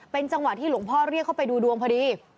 จังหวะที่หลวงพ่อเรียกเข้าไปดูดวงพอดี